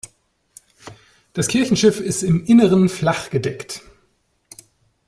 Das Kirchenschiff ist im Inneren flachgedeckt.